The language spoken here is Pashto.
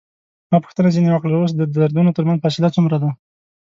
ما پوښتنه ځنې وکړل: اوس د دردونو ترمنځ فاصله څومره ده؟